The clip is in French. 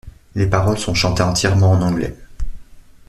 Les paroles sont chantées entièrement en Anglais.